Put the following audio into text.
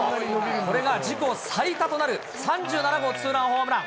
これが自己最多となる３７号ツーランホームラン。